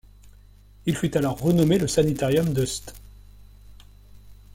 Il fut alors renommé le Sanitarium de St.